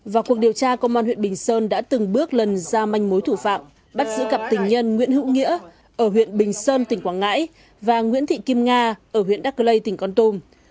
vào cuộc điều tra công an huyện bình sơn đã từng bước lần ra manh mối thủ phạm bắt giữ cặp tình nhân nguyễn hữu nghĩa ở huyện bình sơn tỉnh quảng ngãi và nguyễn thị kim nga ở huyện đắc lây tỉnh con tum